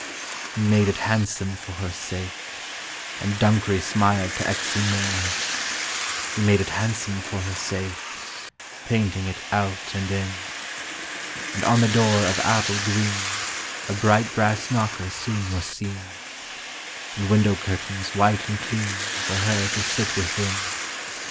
He made it handsome for her sake— And Dunkery smiled to Exon Moor— He made it handsome for her sake, Painting it out and in; And on the door of apple green A bright brass knocker soon was seen, And window curtains white and clean For her to sit within.